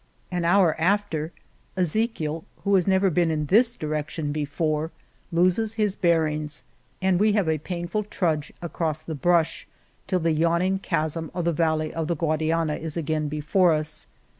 An hour after, Ezechiel, who has never been in this direction be fore, loses his bearings, and we have a pain ful trudge across the brush till the yawn 80 The Cave of Montesinos ing chasm of the valley of the Guadiana is again before us.